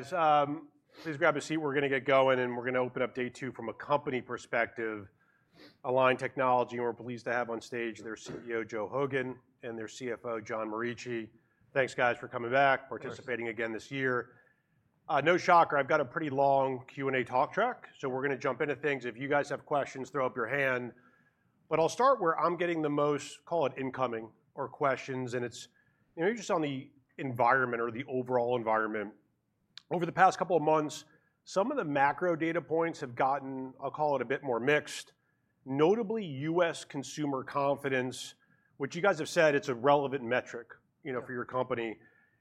Guys, please grab a seat. We're gonna get going, and we're gonna open up day two from a company perspective. Align Technology, and we're pleased to have on stage their CEO, Joe Hogan, and their CFO, John Morici. Thanks, guys, for coming back participating again this year. No shocker, I've got a pretty long Q&A talk track, so we're gonna jump into things. If you guys have questions, throw up your hand. But I'll start where I'm getting the most, call it incoming or questions, and it's, you know, just on the environment or the overall environment. Over the past couple of months, some of the macro data points have gotten, I'll call it a bit more mixed. Notably, U.S. consumer confidence, which you guys have said it's a relevant metric, you know for your company.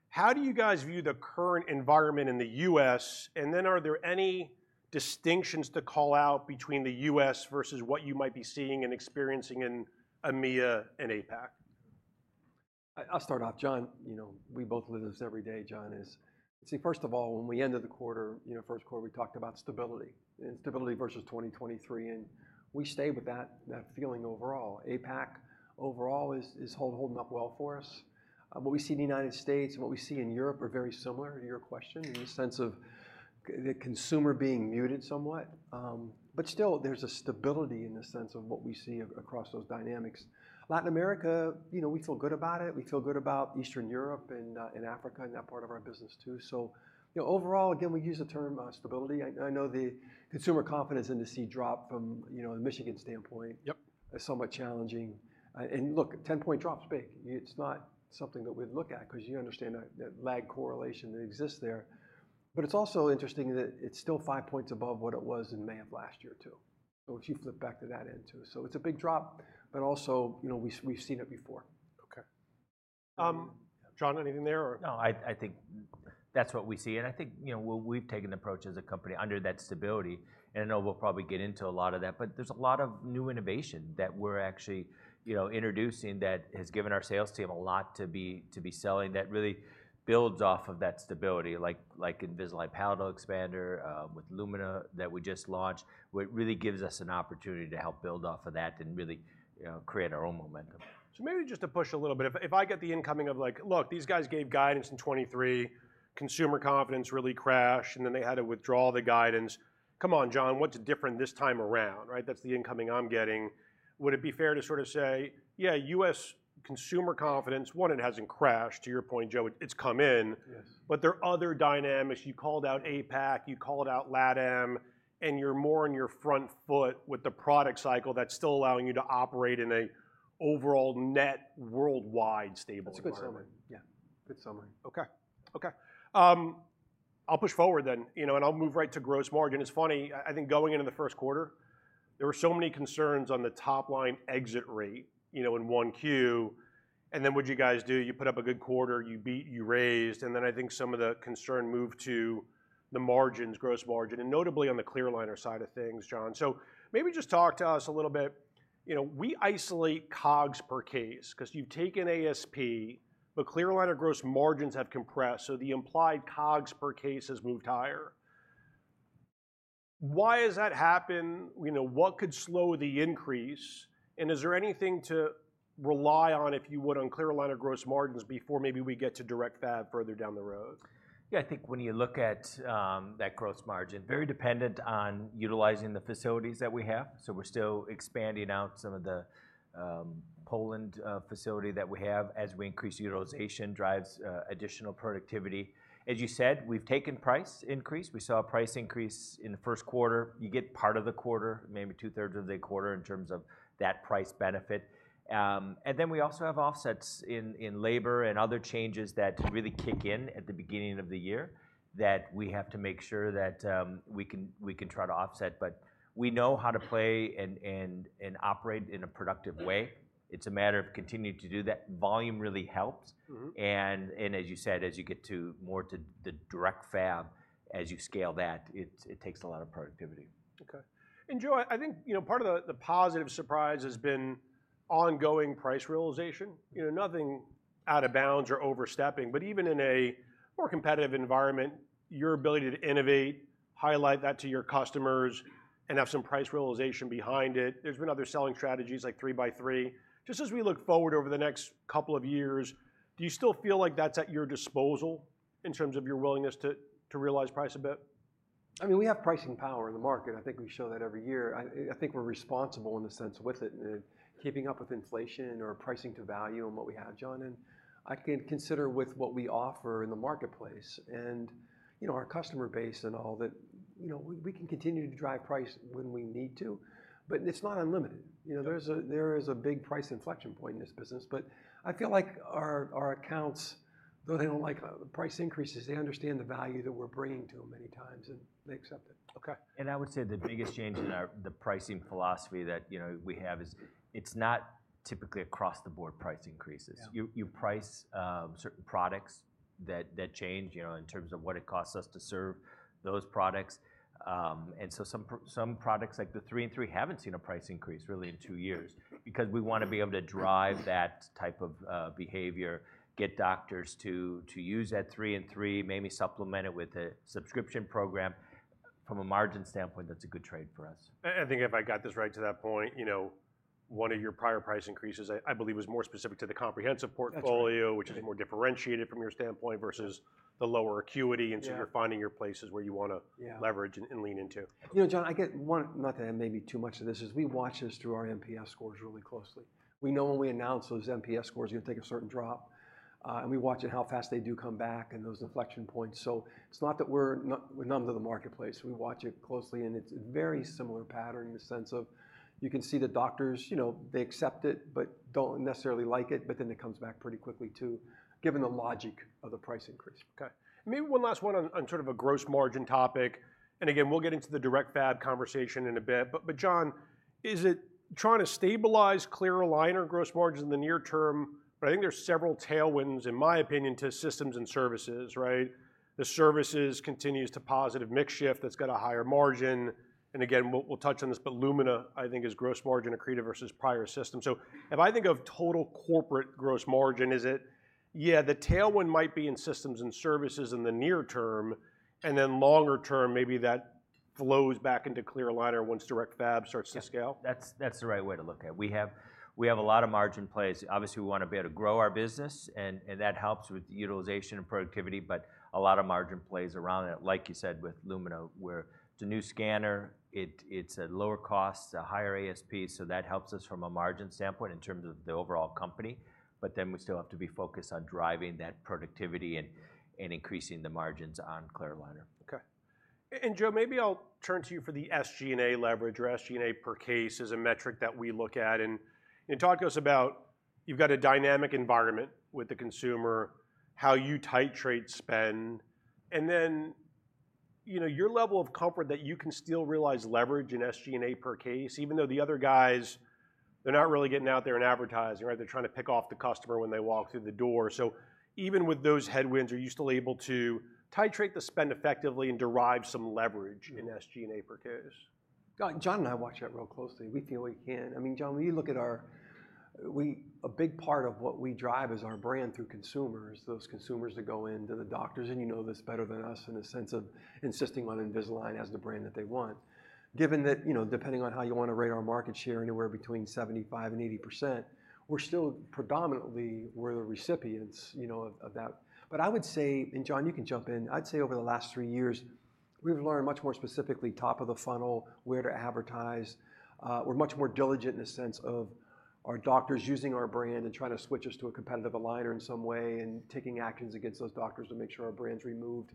How do you guys view the current environment in the U.S., and then are there any distinctions to call out between the U.S. versus what you might be seeing and experiencing in EMEA and APAC? I'll start off. John we both live this every day, John. See, first of all, when we ended the quarter first quarter, we talked about stability, and stability versus 2023, and we stay with that, that feeling overall. APAC overall is holding up well for us. What we see in the United States and what we see in Europe are very similar to your question in the sense of the consumer being muted somewhat. But still, there's a stability in the sense of what we see across those dynamics. Latin America, you know, we feel good about it. We feel good about Eastern Europe and Africa and that part of our business too. So, you know, overall, again, we use the term stability. I know the Consumer Confidence Index saw a drop from, you know, the Michigan standpoint is somewhat challenging. And look, a 10-point drop's big. It's not something that we'd look at, 'cause you understand that lag correlation that exists there. But it's also interesting that it's still 5 points above what it was in May of last year, too. So if you flip back to that end, too. So it's a big drop, but also, you know, we've seen it before. Okay. John, anything there or? No, I think that's what we see, and I think, you know, what we've taken the approach as a company under that stability, and I know we'll probably get into a lot of that, but there's a lot of new innovation that we're actually, you know, introducing, that has given our sales team a lot to be selling, that really builds off of that stability, like Invisalign Palatal Expander with Lumina that we just launched, what really gives us an opportunity to help build off of that and really, you know, create our own momentum. So maybe just to push a little bit, if I get the incoming of like, "Look, these guys gave guidance in 2023. Consumer confidence really crashed, and then they had to withdraw the guidance." Come on, John, what's different this time around, right? That's the incoming I'm getting. Would it be fair to sort of say, yeah, U.S. consumer confidence, one, it hasn't crashed, to your point, Joe. It, it's come in but there are other dynamics. You called out APAC, you called out LATAM, and you're more on your front foot with the product cycle that's still allowing you to operate in a overall net worldwide stable environment. That's a good summary. Okay. Okay, I'll push forward then, you know, and I'll move right to gross margin. It's funny, I, I think going into the first quarter, there were so many concerns on the top line exit rate, you know, in 1Q, and then what'd you guys do? You put up a good quarter, you beat, you raised, and then I think some of the concern moved to the margins, gross margin, and notably on the clear aligner side of things, John. So maybe just talk to us a little bit. You know, we isolate COGS per case 'cause you've taken ASP, but clear aligner gross margins have compressed, so the implied COGS per case has moved higher. Why has that happened? You know, what could slow the increase, and is there anything to rely on, if you would, on clear aligner gross margins before maybe we get to direct fab further down the road? Yeah, I think when you look at that gross margin, very dependent on utilizing the facilities that we have. So we're still expanding out some of the Poland facility that we have. As we increase utilization drives additional productivity. As you said, we've taken price increase. We saw a price increase in the first quarter. You get part of the quarter, maybe 2/3 of the quarter, in terms of that price benefit. And then we also have offsets in labor and other changes that really kick in at the beginning of the year, that we have to make sure that we can try to offset. But we know how to play and operate in a productive way. It's a matter of continuing to do that. Volume really helps. As you said, as you get more to the direct fab, as you scale that, it takes a lot of productivity. Okay. And Joe, I think, you know, part of the, the positive surprise has been ongoing price realization. You know, nothing out of bounds or overstepping, but even in a more competitive environment, your ability to innovate, highlight that to your customers, and have some price realization behind it. There's been other selling strategies like three by three. Just as we look forward over the next couple of years, do you still feel like that's at your disposal in terms of your willingness to, to realize price a bit? I mean, we have pricing power in the market. I think we show that every year. I, I think we're responsible in the sense with it and keeping up with inflation or pricing to value and what we have, John, and I can consider with what we offer in the marketplace and, you know, our customer base and all that, you know, we, we can continue to drive price when we need to, but it's not unlimited. You know, there's a, there is a big price inflection point in this business, but I feel like our, our accounts, though they don't like the price increases, they understand the value that we're bringing to them many times, and they accept it. Okay. I would say the biggest change in our, the pricing philosophy that, you know, we have is, it's not typically across-the-board price increases. You price certain products that change, you know, in terms of what it costs us to serve those products. And so some products, like the three and three, haven't seen a price increase really in two years because we wanna be able to drive that type of behavior, get doctors to use that three and three, maybe supplement it with a subscription program. And from a margin standpoint, that's a good trade for us. I think if I got this right to that point, you know, one of your prior price increases, I believe, was more specific to the comprehensive portfolio. Which is more differentiated from your standpoint, versus the lower acuity and so you're finding your places where you wanna leverage and lean into. That's right. Not to add maybe too much to this, is we watch this through our NPS scores really closely. We know when we announce those NPS scores, are gonna take a certain drop. And we watch at how fast they do come back and those inflection points. So it's not that we're numb to the marketplace. We watch it closely, and it's a very similar pattern in the sense of you can see the doctors they accept it, but don't necessarily like it, but then it comes back pretty quickly, too, given the logic of the price increase. Okay. Maybe one last one on, on sort of a gross margin topic, and again, we'll get into the direct fab conversation in a bit. But, but John, is it trying to stabilize clear aligner gross margins in the near term? But I think there's several tailwinds, in my opinion, to systems and services, right? The services continues to positive mix shift that's got a higher margin, and again, we'll touch on this, but Lumina, I think, is gross margin accretive versus prior system. So if I think of total corporate gross margin, is it, yeah, the tailwind might be in systems and services in the near term, and then longer term, maybe that flows back into clear aligner once direct fab starts to scale? Yeah, that's the right way to look at it. We have a lot of margin plays. Obviously, we wanna be able to grow our business, and that helps with utilization and productivity, but a lot of margin plays around it, like you said, with Lumina, where it's a new scanner. It's a lower cost, it's a higher ASP, so that helps us from a margin standpoint in terms of the overall company. But then we still have to be focused on driving that productivity and increasing the margins on clear aligner. Okay. And Joe, maybe I'll turn to you for the SG&A leverage, or SG&A per case is a metric that we look at. And talk to us about, you've got a dynamic environment with the consumer, how you titrate spend, and then, you know, your level of comfort that you can still realize leverage in SG&A per case, even though the other guys, they're not really getting out there and advertising, right? They're trying to pick off the customer when they walk through the door. So even with those headwinds, are you still able to titrate the spend effectively and derive some leverage in SG&A per case? John and I watch that real closely. We feel we can. A big part of what we drive is our brand through consumers, those consumers that go in to the doctors, and you know this better than us, in the sense of insisting on Invisalign as the brand that they want. Given that, you know, depending on how you wanna rate our market share, anywhere between 75% and 80%, we're still predominantly we're the recipients, you know, of, of that. But I would say, and John, you can jump in, I'd say over the last three years, we've learned much more specifically top of the funnel, where to advertise. We're much more diligent in the sense of our doctors using our brand and trying to switch us to a competitive aligner in some way and taking actions against those doctors to make sure our brand's removed.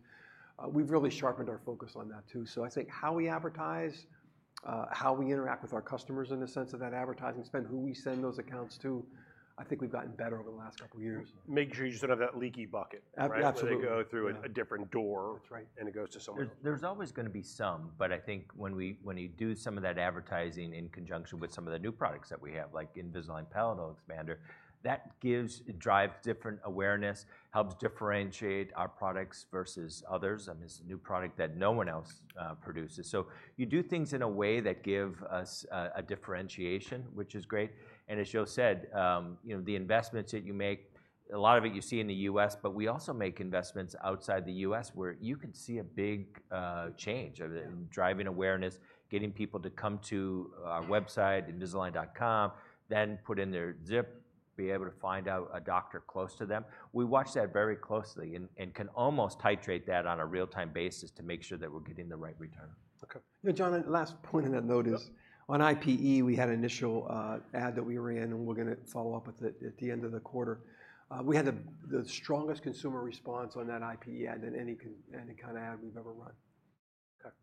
We've really sharpened our focus on that, too. So I'd say how we advertise, how we interact with our customers in the sense of that advertising spend, who we send those accounts to, I think we've gotten better over the last couple of years. Make sure you just don't have that leaky bucket, right? Where they go through a different door and it goes to someone else. Absolutely. That's right. There's always gonna be some, but I think when you do some of that advertising in conjunction with some of the new products that we have, like Invisalign Palatal Expander, It drives different awareness, helps differentiate our products versus others, and this is a new product that no one else produces. So you do things in a way that give us a differentiation, which is great, and as Joe said, you know, the investments that you make, a lot of it you see in the US, but we also make investments outside the US, where you can see a big change in driving awareness, getting people to come to our website, Invisalign.com, then put in their zip, be able to find out a doctor close to them. We watch that very closely and can almost titrate that on a real-time basis to make sure that we're getting the right return. Okay. You know, John, last point on that note is on IPE, we had initial ad that we ran, and we're gonna follow up with it at the end of the quarter. We had the strongest consumer response on that IPE ad than any kind of ad we've ever run. Okay.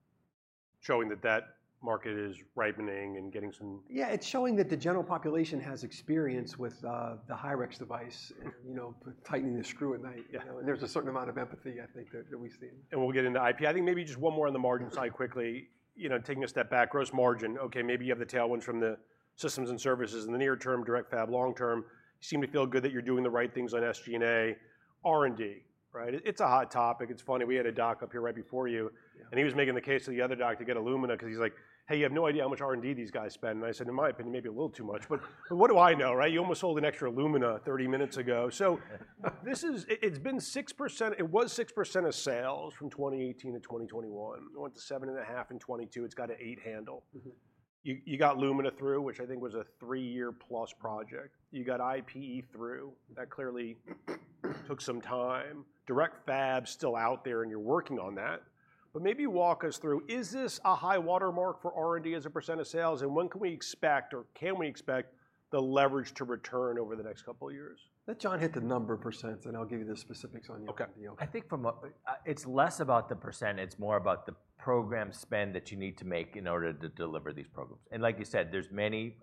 Showing that that market is ripening and getting some- Yeah, it's showing that the general population has experience with the Hyrax device, and, you know, tightening the screw at night. You know, and there's a certain amount of empathy, I think, that, that we see. And we'll get into IPE. I think maybe just one more on the margin side quickly. You know, taking a step back, gross margin, okay, maybe you have the tailwinds from the systems and services in the near term, direct fab long term. You seem to feel good that you're doing the right things on SG&A. R&D, right? It's funny, we had a doc up here right before you and he was making the case to the other doc to get Lumina 'cause he's like, "Hey, you have no idea how much R&D these guys spend." I said, "In my opinion, maybe a little too much." But, but what do I know, right? You almost sold an extra Lumina thirty minutes ago. It's been 6%, it was 6% of sales from 2018-2021. It went to 7.5 in 2022. It's got an 8 handle. You, you got Lumina through, which I think was a 3-year+project. You got IPE through. That clearly took some time. Direct fab's still out there, and you're working on that, but maybe walk us through, is this a high-water mark for R&D as a % of sales, and when can we expect, or can we expect the leverage to return over the next couple of years? Let John hit the numbers, percents, and I'll give you the specifics on the- Okay. The okay. I think from a, it's less about the percent, it's more about the program spend that you need to make in order to deliver these programs. And like you said, there's many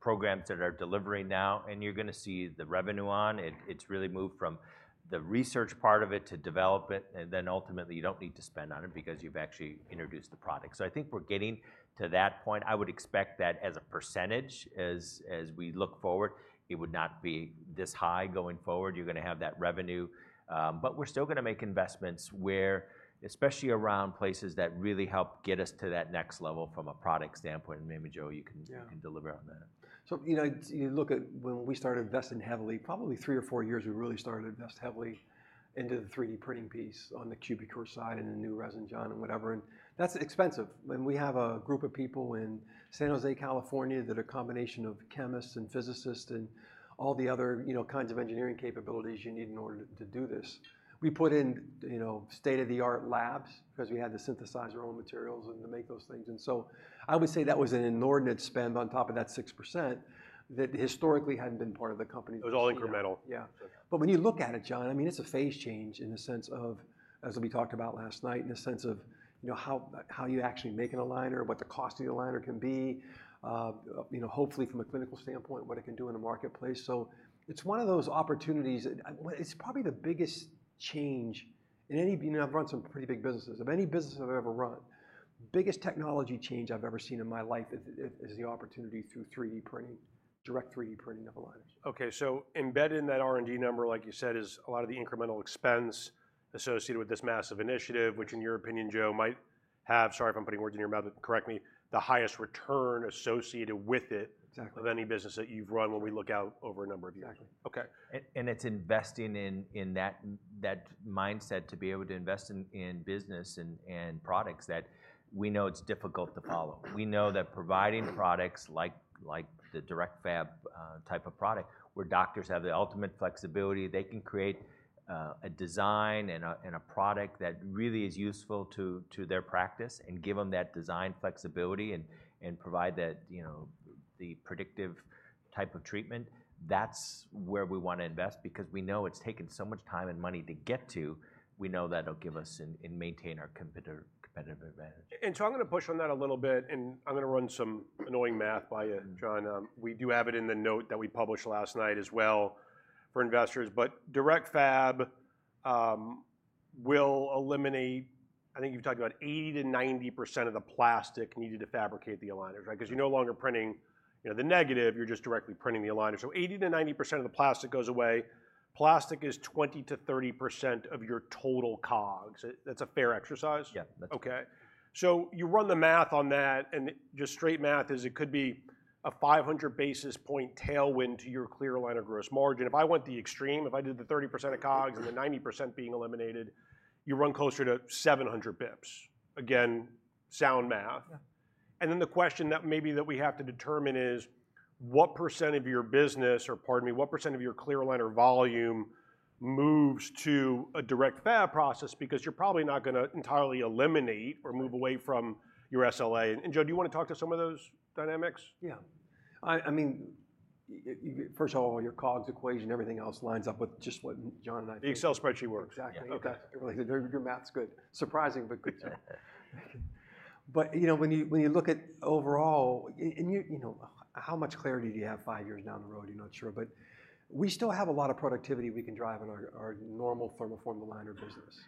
programs that are delivering now, and you're gonna see the revenue on. It's really moved from the research part of it to development, and then ultimately, you don't need to spend on it because you've actually introduced the product. So I think we're getting to that point. I would expect that as a percentage, as we look forward, it would not be this high going forward. You're gonna have that revenue, but we're still gonna make investments where, especially around places that really help get us to that next level from a product standpoint, and maybe, Joe, you can you can deliver on that. So, you know, you look at when we started investing heavily, probably three or four years, we really started to invest heavily into the 3D printing piece on the Cubicure side and the new resin, John, and whatever, and that's expensive. And we have a group of people in San Jose, California, that are a combination of chemists and physicists and all the other, you know, kinds of engineering capabilities you need in order to, to do this. We put in, you know, state-of-the-art labs, 'cause we had to synthesize our own materials and to make those things. And so I would say that was an inordinate spend on top of that 6% that historically hadn't been part of the company. It was all incremental. Yeah. But when you look at it, John, I mean, it's a phase change in the sense of, as we talked about last night, in the sense of, you know, how, how you actually make an aligner, what the cost of the aligner can be. Hopefully from a clinical standpoint, what it can do in the marketplace. So it's one of those opportunities, and, and it's probably the biggest change in any. I've run some pretty big businesses. Of any business I've ever run, biggest technology change I've ever seen in my life is, is, is the opportunity through 3D printing, direct 3D printing of aligners. Okay, so embedded in that R&D number, like you said, is a lot of the incremental expense associated with this massive initiative, which in your opinion, Joe, might have, sorry if I'm putting words in your mouth, but correct me, the highest return associated with it of any business that you've run when we look out over a number of years. Exactly. Okay. And it's investing in that mindset to be able to invest in business and products that we know it's difficult to follow. We know that providing products like the direct fab type of product, where doctors have the ultimate flexibility, they can create a design and a product that really is useful to their practice and give them that design flexibility and provide that, you know, the predictive type of treatment. That's where we want to invest because we know it's taken so much time and money to get to. We know that it'll give us and maintain our competitive advantage. So I'm gonna push on that a little bit, and I'm gonna run some annoying math by you, John. We do have it in the note that we published last night as well for investors, but direct fab will eliminate, I think you've talked about 80%-90% of the plastic needed to fabricate the aligners, right? Yeah. 'Cause you're no longer printing, you know, the negative, you're just directly printing the aligners. So 80%-90% of the plastic goes away. Plastic is 20%-30% of your total COGS. That's a fair exercise? Okay. So you run the math on that, and just straight math is it could be a 500 basis points tailwind to your clear aligner gross margin. If I went the extreme, if I did the 30% of COGS and the 90% being eliminated, you run closer to 700 bips. Again, sound math. And then the question that maybe we have to determine is, what percent of your business, or pardon me, what percent of your clear aligner volume moves to a direct fab process? Because you're probably not gonna entirely eliminate or move away from your SLA. And, Joe, do you wanna talk to some of those dynamics? Yeah. I mean, first of all, your COGS equation, everything else lines up with just what John and I- The Excel spreadsheet works. Exactly. Yeah. Okay. Your math's good. Surprising, but good. But, you know, when you, when you look at overall, and you, you know, how much clarity do you have five years down the road? You're not sure, but we still have a lot of productivity we can drive in our, our normal thermoform aligner business.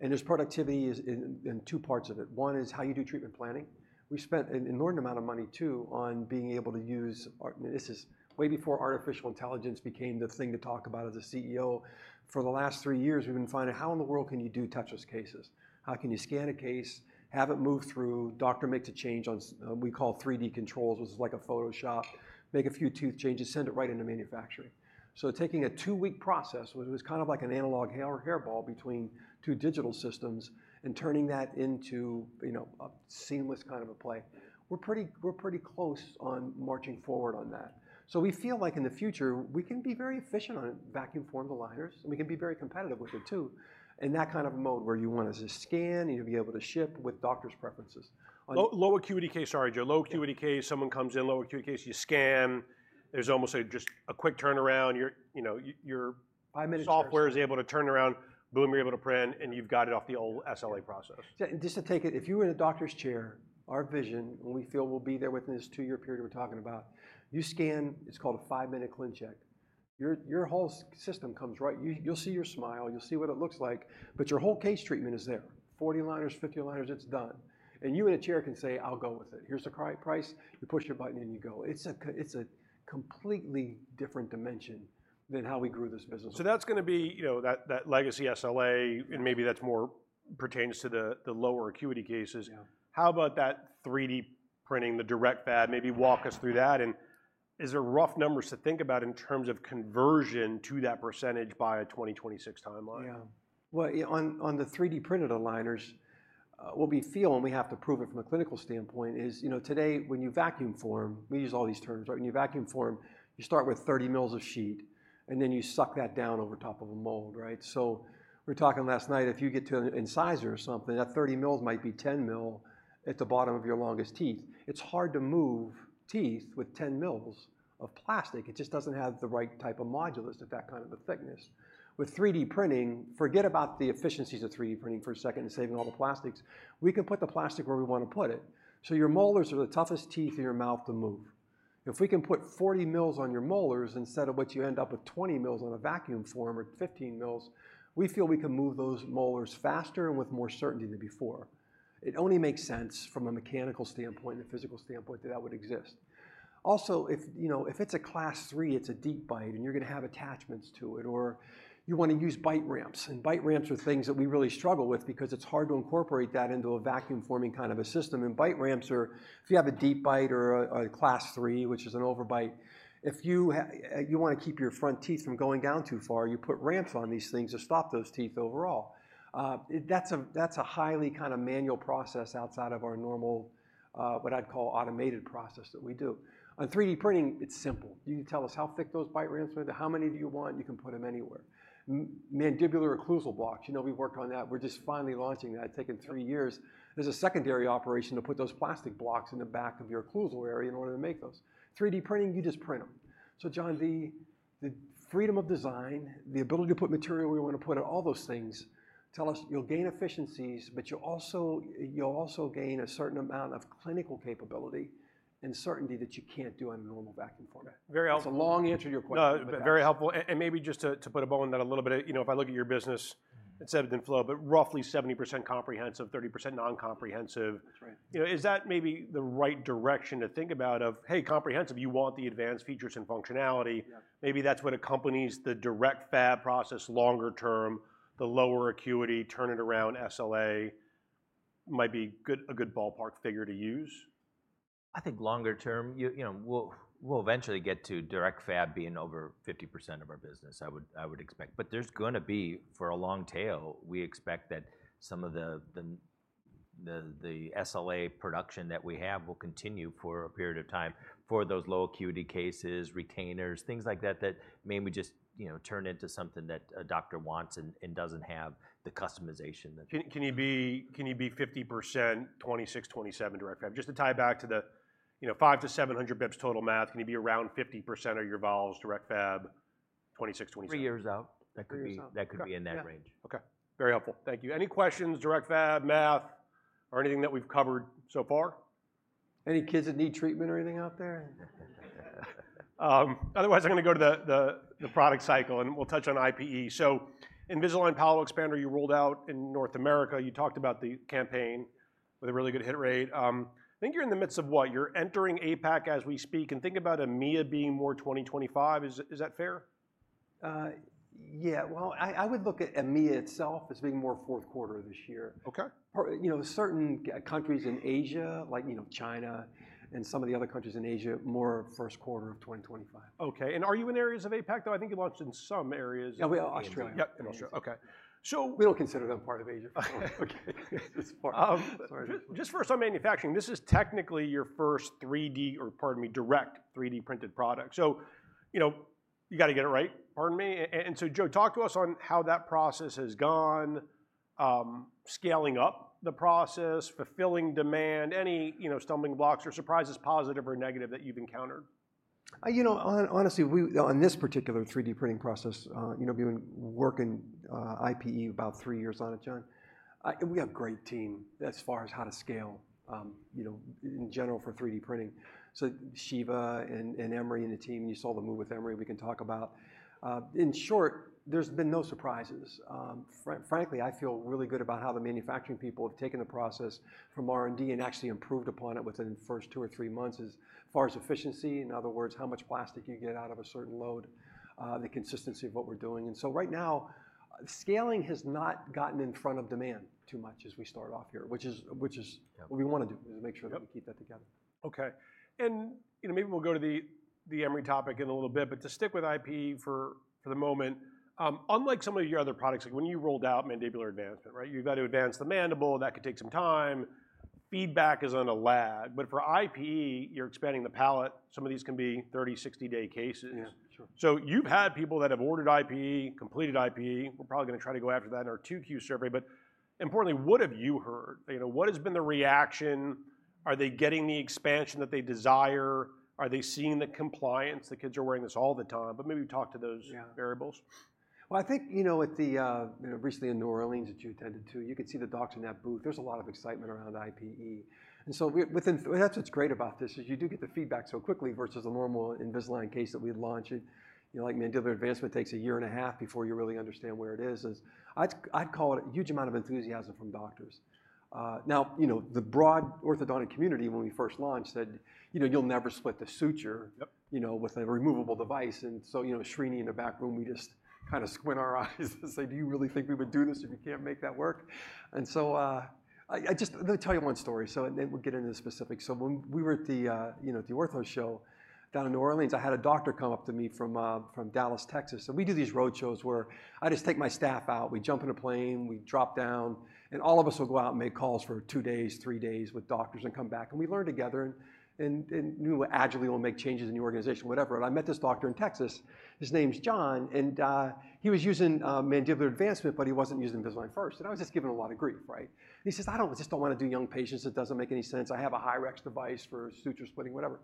And there's productivity is in, in two parts of it. One is how you do treatment planning. We spent an inordinate amount of money, too, on being able to use art. This is way before artificial intelligence became the thing to talk about as a CEO. For the last three years, we've been finding out, how in the world can you do touchless cases? How can you scan a case, have it move through, doctor makes a change on, we call 3D Controls, which is like a Photoshop, make a few tooth changes, send it right into manufacturing. So taking a two-week process, which was kind of like an analog hairball between two digital systems, and turning that into, you know, a seamless kind of a play. We're pretty, we're pretty close on marching forward on that. So we feel like in the future, we can be very efficient on vacuum form aligners, and we can be very competitive with it, too, in that kind of mode, where you want us to scan, you to be able to ship with doctor's preferences. Low acuity case, sorry, Joe. Yeah. Low acuity case, someone comes in, low acuity case, you scan. There's almost just a quick turnaround. Your, you know, your software is able to turn around, boom, you're able to print, and you've got it off the old SLA process. Five-minute turnaround Just to take it, if you were in a doctor's chair, our vision, and we feel we'll be there within this two-year period we're talking about, you scan, it's called a 5-minute ClinCheck. Your whole system comes right, you'll see your smile, you'll see what it looks like, but your whole case treatment is there. 40 aligners, 50 aligners, it's done. And you in a chair can say, "I'll go with it. Here's the price." You push your button, and you go. It's a completely different dimension than how we grew this business. That's gonna be, you know, that, that legacy SLA and maybe that's more pertains to the lower acuity cases How about that 3D printing, the direct fab? Maybe walk us through that, and is there rough numbers to think about in terms of conversion to that percentage by a 2026 timeline? Yeah. Well, yeah, on the 3D printed aligners, what we feel, and we have to prove it from a clinical standpoint, is, you know, today, when you vacuum form, we use all these terms, right? When you vacuum form, you start with 30 mils of sheet, and then you suck that down over top of a mold, right? So we're talking last night, if you get to an incisor or something, that 30 mils might be 10 mil at the bottom of your longest teeth. It's hard to move teeth with 10 mils of plastic. It just doesn't have the right type of modulus at that kind of a thickness. With 3D printing, forget about the efficiencies of 3D printing for a second and saving all the plastics. We can put the plastic where we want to put it. So your molars are the toughest teeth in your mouth to move. If we can put 40 mils on your molars, instead of which you end up with 20 mils on a vacuum form or 15 mils, we feel we can move those molars faster and with more certainty than before. It only makes sense from a mechanical standpoint and a physical standpoint, that that would exist. Also, if, you know, if it's a Class III, it's a deep bite, and you're gonna have attachments to it, or you want to use bite ramps. And bite ramps are things that we really struggle with because it's hard to incorporate that into a vacuum-forming kind of a system. Bite ramps are, if you have a deep bite or a Class III, which is an overbite, if you want to keep your front teeth from going down too far, you put ramps on these things to stop those teeth overall. That's a highly kind of manual process outside of our normal what I'd call automated process that we do. On 3D printing, it's simple. You can tell us how thick those bite ramps are, how many do you want, you can put them anywhere. Mandibular occlusal blocks, you know, we've worked on that. We're just finally launching that, taken three years. There's a secondary operation to put those plastic blocks in the back of your occlusal area in order to make those. 3D printing, you just print them. So John, the freedom of design, the ability to put material where we want to put it, all those things tell us you'll gain efficiencies, but you'll also gain a certain amount of clinical capability and certainty that you can't do on a normal vacuum form. Very helpful. That's a long answer to your question. No, very helpful. And maybe just to put a bow on that a little bit, you know, if I look at your business, instead of the flow, but roughly 70% Comprehensive, 30% non-Comprehensive. That's right. You know, is that maybe the right direction to think about of, "Hey, comprehensive, you want the advanced features and functionality? Yeah. Maybe that's what accompanies the direct fab process longer term, the lower acuity, turn it around SLA, might be good, a good ballpark figure to use? I think longer term, you know, we'll eventually get to direct fab being over 50% of our business, I would expect. But there's gonna be, for a long tail, we expect that some of the SLA production that we have will continue for a period of time for those low acuity cases, retainers, things like that, that maybe we just, you know, turn into something that a doctor wants and doesn't have the customization. Can you be 50%, 2026-2027 direct fab? Just to tie back to the, you know, 500-700 basis points total math, can you be around 50% of your vols, direct fab, 2026-2027? Three years out- Three years out. That could be, that could be in that range. Okay. Yeah, okay. Very helpful, thank you. Any questions, direct fab, math, or anything that we've covered so far? Any kids that need treatment or anything out there? Otherwise, I'm gonna go to the product cycle, and we'll touch on IPE. So Invisalign Palatal Expander, you rolled out in North America. You talked about the campaign with a really good hit rate. I think you're in the midst of what? You're entering APAC as we speak, and think about EMEA being more 2025. Is that fair? Yeah, well, I would look at EMEA itself as being more fourth quarter of this year. Okay. You know, certain countries in Asia, like, you know, China and some of the other countries in Asia, more first quarter of 2025. Okay, and are you in areas of APAC, though? I think you launched in some areas of Asia. Yeah, we are Australia. Yep, Australia, okay. So- We don't consider them part of Asia. Okay. Um- Sorry. Just, just for some manufacturing, this is technically your first 3D, or pardon me, direct 3D printed product. So, you know, you gotta get it right, pardon me. And so Joe, talk to us on how that process has gone, scaling up the process, fulfilling demand, any, you know, stumbling blocks or surprises, positive or negative, that you've encountered. You know, honestly, on this particular 3D printing process, you know, we've been working IPE about three years on it, John. We got a great team as far as how to scale, you know, in general for 3D printing. So Srini and, and Emory and the team, you saw the move with Emory, we can talk about. In short, there's been no surprises. Frankly, I feel really good about how the manufacturing people have taken the process from R&D and actually improved upon it within the first two or three months, as far as efficiency, in other words, how much plastic you get out of a certain load, the consistency of what we're doing. And so right now, scaling has not gotten in front of demand too much as we start off here, which is, which is what we wanna do, is make sure we keep that together. Okay, and, you know, maybe we'll go to the Emory topic in a little bit, but to stick with IPE for the moment, unlike some of your other products, like when you rolled out mandibular advancement, right? You've got to advance the mandible, that could take some time, feedback is on a lag. But for IPE, you're expanding the palate, some of these can be 30, 60 day cases. Yeah, sure. So you've had people that have ordered IPE, completed IPE, we're probably gonna try to go after that in our 2Q survey, but importantly, what have you heard? You know, what has been the reaction? Are they getting the expansion that they desire? Are they seeing the compliance, the kids are wearing this all the time? But maybe talk to those variables. Well, I think, you know, at the, you know, recently in New Orleans that you attended to, you could see the docs in that booth. There's a lot of excitement around IPE. That's what's great about this, is you do get the feedback so quickly versus a normal Invisalign case that we'd launch it. You know, like, mandibular advancement takes a year and a half before you really understand where it is. It's, I'd call it a huge amount of enthusiasm from doctors. Now, you know, the broad orthodontic community, when we first launched, said, "You know, you'll never split the suture you know, with a removable device." And so, you know, Srini in the back room, we just kind of squint our eyes and say, "Do you really think we would do this if you can't make that work?" And so, let me tell you one story, so, and then we'll get into the specifics. So when we were at the, you know, the ortho show down in New Orleans, I had a doctor come up to me from, from Dallas, Texas. So we do these road shows where I just take my staff out, we jump in a plane, we drop down, and all of us will go out and make calls for two days, three days with doctors and come back, and we learn together, and, and, and we agilely will make changes in the organization, whatever. And I met this doctor in Texas, his name's John, and he was using mandibular advancement, but he wasn't using Invisalign First, and I was just giving a lot of grief, right? He says, "I don't, just don't wanna do young patients. It doesn't make any sense. I have a Hyrax device for suture splitting," whatever.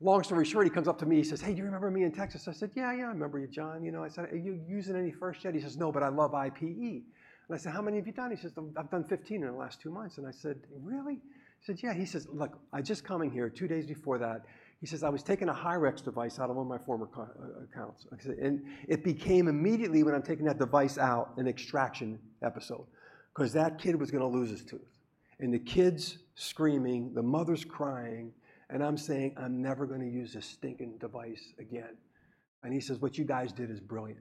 Long story short, he comes up to me, he says, "Hey, do you remember me in Texas?" I said, "Yeah, yeah, I remember you, John." You know, I said, "Are you using any First yet?" He says: "No, but I love IPE." And I said, "How many have you done?" He says, "I've done 15 in the last two months." And I said, "Really?" He said, "Yeah." He says, "Look, I just come in here two days before that," he says, "I was taking a Hyrax device out of one of my former accounts." I said, "And it became immediately, when I'm taking that device out, an extraction episode, 'cause that kid was gonna lose his tooth. And the kid's screaming, the mother's crying, and I'm saying, "I'm never gonna use this stinking device again." And he says, "What you guys did is brilliant."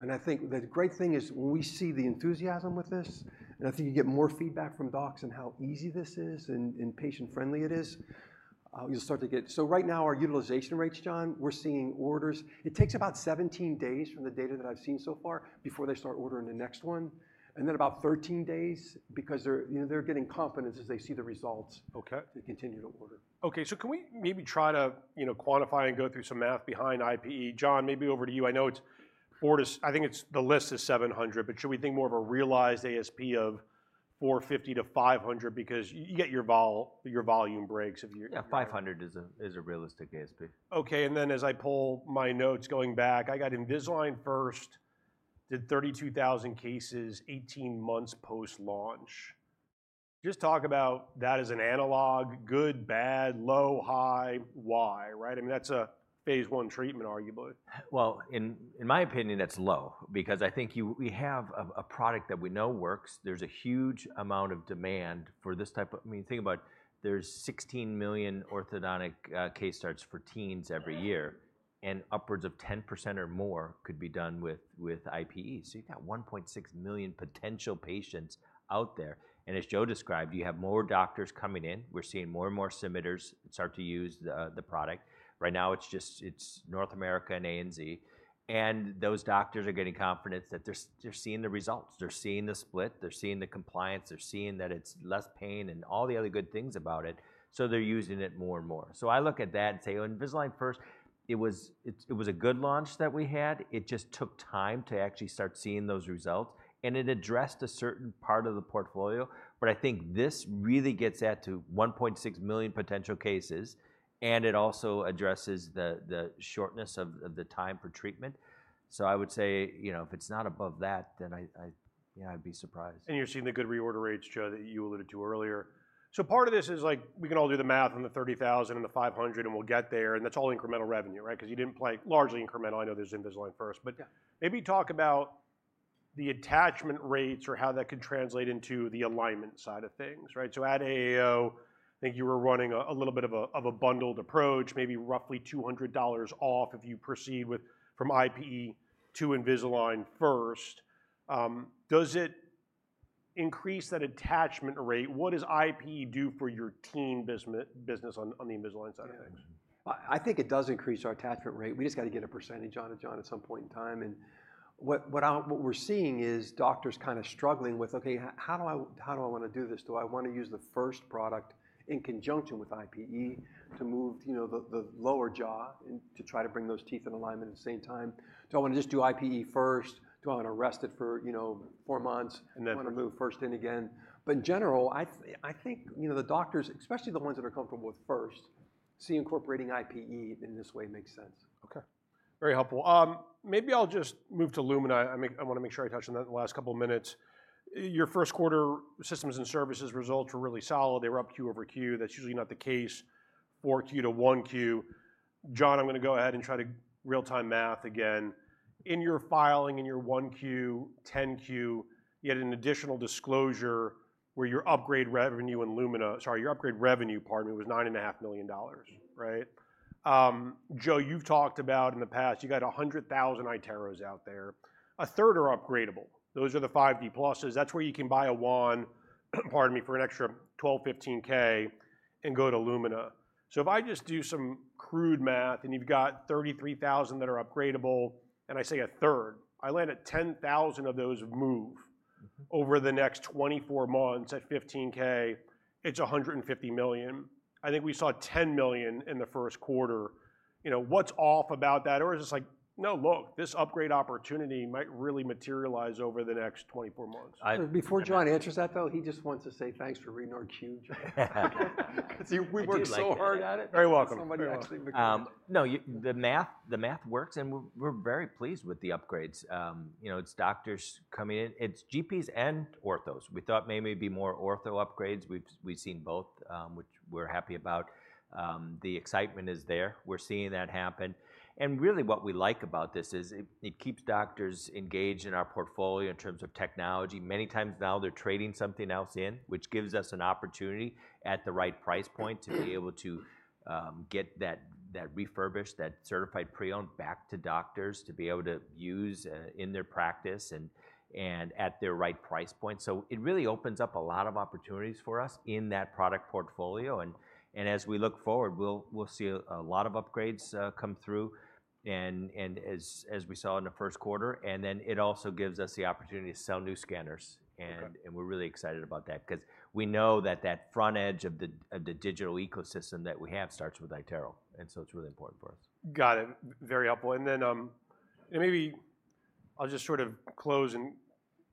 And I think the great thing is, when we see the enthusiasm with this, and I think you get more feedback from docs on how easy this is and patient-friendly it is. You'll start to get so right now, our utilization rates, John, we're seeing orders. It takes about 17 days from the data that I've seen so far, before they start ordering the next one, and then about 13 days, because they're, you know, they're getting confidence as they see the results, they continue to order. Okay, so can we maybe try to, you know, quantify and go through some math behind IPE? John, maybe over to you. I think it's the list is $700, but should we think more of a realized ASP of $450-$500? Because you get your volume breaks. Yeah, $500 is a realistic ASP. Okay, and then as I pull my notes going back, I got Invisalign First did 32,000 cases, 18 months post-launch. Just talk about that as an analog, good, bad, low, high, why, right? I mean, that's a phase I treatment, arguably. Well, in my opinion, that's low, because I think we have a product that we know works. There's a huge amount of demand for this type think about it, there's 16 million orthodontic case starts for teens every year, and upwards of 10% or more could be done with IPE. So you've got 1.6 million potential patients out there, and as Joe described, you have more doctors coming in. We're seeing more and more submitters start to use the product. Right now, it's North America and ANZ, and those doctors are getting confidence that they're seeing the results. They're seeing the split, they're seeing the compliance, they're seeing that it's less pain and all the other good things about it, so they're using it more and more. So I look at that and say, well, Invisalign First, it was a good launch that we had. It just took time to actually start seeing those results, and it addressed a certain part of the portfolio. But I think this really gets at to 1.6 million potential cases, and it also addresses the shortness of the time for treatment. So I would say, you know, if it's not above that, then I, yeah, I'd be surprised. You're seeing the good reorder rates, Joe, that you alluded to earlier. So part of this is like, we can all do the math on the 30,000 and the 500, and we'll get there, and that's all incremental revenue, right? 'Cause you didn't play largely incremental. I know there's Invisalign First. Yeah. But maybe talk about the attachment rates or how that could translate into the alignment side of things, right? So at AAO, I think you were running a little bit of a bundled approach, maybe roughly $200 off if you proceed with from IPE to Invisalign First. Does it increase that attachment rate? What does IPE do for your teen business on the Invisalign side of things? I think it does increase our attachment rate. We just gotta get a percentage on it, John, at some point in time, and what we're seeing is doctors kind of struggling with, "Okay, how do I, how do I wanna do this? Do I want to use the first product in conjunction with IPE to move, you know, the lower jaw and to try to bring those teeth in alignment at the same time? Do I wanna just do IPE first? Do I wanna rest it for, you know, four months “Wanna move first in again?” But in general, I think, you know, the doctors, especially the ones that are comfortable with First, see incorporating IPE in this way makes sense. Okay. Very helpful. Maybe I'll just move to Lumina. I wanna make sure I touch on that in the last couple of minutes. Your first quarter systems and services results were really solid. They were up Q-over-Q. That's usually not the case for Q-1Q. John, I'm gonna go ahead and try to real-time math again. In your filing, in your 1Q, 10-Q, you had an additional disclosure where your upgrade revenue in Lumina. Sorry, your upgrade revenue, pardon me, was $9.5 million, right? Joe, you've talked about in the past, you got 100,000 iTero out there. A third are upgradable. Those are the 5D Pluses. That's where you can buy a wand, pardon me, for an extra $12,000-$15,000 and go to Lumina. So if I just do some crude math and you've got 33,000 that are upgradable, and I say a third, I land at 10,000 of those move over the next 24 months at 15k, it's $150 million. I think we saw $10 million in the first quarter. You know, what's off about that? Or is it just like, "No, look, this upgrade opportunity might really materialize over the next 24 months? Before John answers that, though, he just wants to say thanks for reading our Q, John. See, we did like it. We worked so hard at it. Very welcome. Somebody actually recognized. No, the math, the math works, and we're, we're very pleased with the upgrades. You know, it's doctors coming in. It's GPs and orthos. We thought maybe it'd be more ortho upgrades. We've, we've seen both, which we're happy about. The excitement is there. We're seeing that happen, and really, what we like about this is it, it keeps doctors engaged in our portfolio in terms of technology. Many times now, they're trading something else in, which gives us an opportunity at the right price point to be able to get that, that refurbished, that certified pre-owned back to doctors to be able to use in their practice and, and at the right price point. So it really opens up a lot of opportunities for us in that product portfolio, and as we look forward, we'll see a lot of upgrades come through and as we saw in the first quarter, and then it also gives us the opportunity to sell new scanners. Okay. And we're really excited about that, 'cause we know that that front edge of the digital ecosystem that we have starts with iTero, and so it's really important for us. Got it. Very helpful. And then, and maybe I'll just sort of close in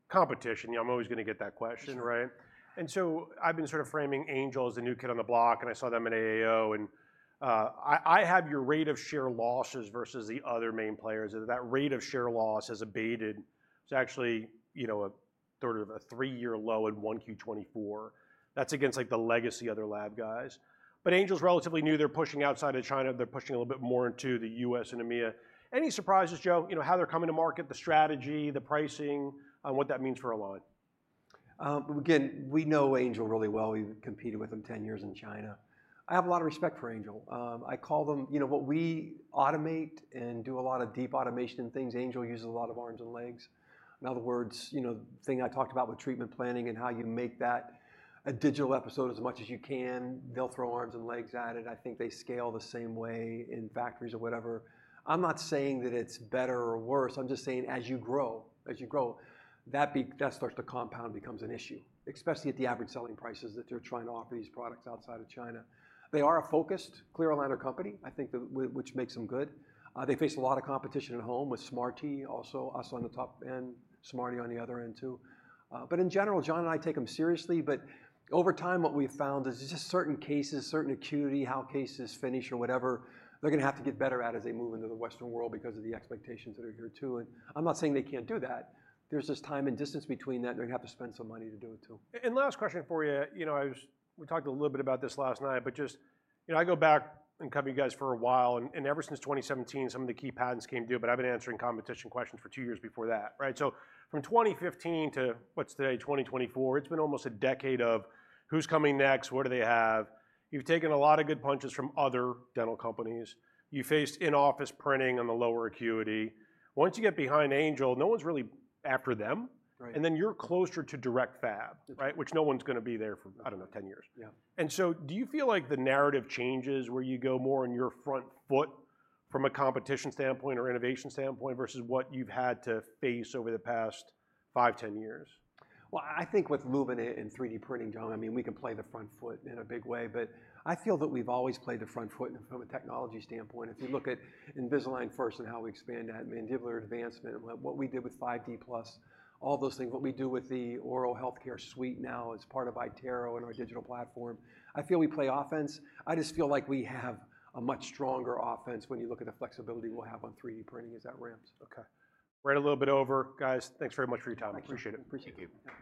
competition. You know, I'm always gonna get that question, right? Sure. And so I've been sort of framing Angel as the new kid on the block, and I saw them at AAO, and I have your rate of share losses versus the other main players, and that rate of share loss has abated. It's actually, you know, a sort of a three-year low in 1Q 2024. That's against, like, the legacy other lab guys. But Angel's relatively new. They're pushing outside of China. They're pushing a little bit more into the U.S. and EMEA. Any surprises, Joe? You know, how they're coming to market, the strategy, the pricing, and what that means for Align? But again, we know Angel really well. We've competed with them 10 years in China. I have a lot of respect for Angel. I call them, you know, what we automate and do a lot of deep automation and things, Angel uses a lot of arms and legs. In other words, you know, the thing I talked about with treatment planning and how you make that a digital episode as much as you can, they'll throw arms and legs at it. I think they scale the same way in factories or whatever. I'm not saying that it's better or worse, I'm just saying as you grow, as you grow, that starts to compound, becomes an issue, especially at the average selling prices that they're trying to offer these products outside of China. They are a focused clear aligner company. Which makes them good. They face a lot of competition at home, with Smartee, also us on the top end, Smartee on the other end, too. But in general, John and I take them seriously, but over time, what we've found is it's just certain cases, certain acuity, how cases finish or whatever, they're gonna have to get better at as they move into the Western world because of the expectations that are here, too. And I'm not saying they can't do that. There's just time and distance between that, and they're gonna have to spend some money to do it, too. And last question for you. You know, I was, we talked a little bit about this last night, but just, you know, I go back and cover you guys for a while, and ever since 2017, some of the key patents came due, but I've been answering competition questions for two years before that, right? So from 2015 to, what's today? 2024, it's been almost a decade of who's coming next, what do they have? You've taken a lot of good punches from other dental companies. You faced in-office printing on the lower acuity. Once you get behind Angel, no one's really after them. Right. And then you're closer to direct fab, right? Which no one's gonna be there for, I don't know, 10 years. So do you feel like the narrative changes, where you go more on your front foot from a competition standpoint or innovation standpoint, versus what you've had to face over the past 5, 10 years? Well, I think with Lumina and 3D printing, John, I mean, we can play the front foot in a big way, but I feel that we've always played the front foot and from a technology standpoint, if you look at Invisalign First and how we expand that mandibular advancement, and what, what we did with 5D Plus, all those things. What we do with theOral Healthcare Suite now as part of iTero and our digital platform, I feel we play offense. I just feel like we have a much stronger offense when you look at the flexibility we'll have on 3D printing as that ramps. Okay. We're a little bit over, guys. Thanks very much for your time. Thank you. I appreciate it. Appreciate it. Thank you.